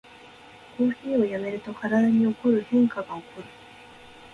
コーヒーをやめると体に起こる変化がおこる